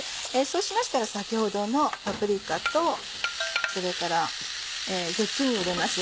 そうしましたら先ほどのパプリカとそれからズッキーニを入れます。